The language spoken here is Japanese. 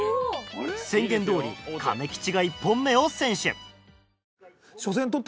宣言どおりかめきちが１本目を先取。